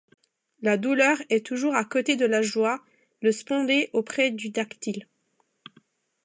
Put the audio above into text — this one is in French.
La douleur est toujours à côté de la joie, le spondée auprès du dactyle.